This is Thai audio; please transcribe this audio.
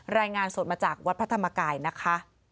รายงานสดมาจากวัดพระธรรมกายนะคะ